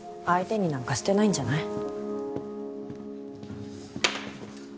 相手になんかしてないんじゃない？